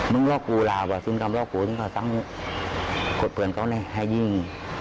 นึงลอกกูราวว่าชิ้นกรรมลอกกูต้องกระสั้นขวดเผื่อนเขาให้ยิง